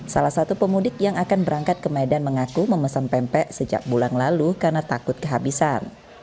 salah satu pemudik yang akan berangkat ke medan mengaku memesan pempek sejak bulan lalu karena takut kehabisan